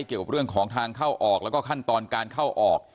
เกี่ยวกับเรื่องของทางเข้าออกแล้วก็ขั้นตอนการเข้าออก